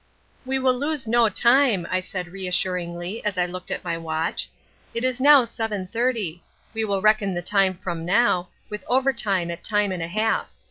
"'We will lose no time' I said reassuringly, as I looked at my watch. 'It is now seven thirty. We will reckon the time from now, with overtime at time and a half.